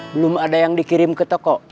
belum ada yang dikirim ke toko